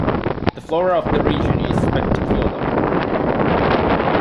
The flora of the region is spectacular.